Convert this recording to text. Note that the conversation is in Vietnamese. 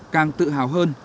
càng tự hào hơn